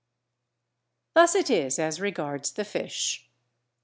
Thus it is as regards the fish.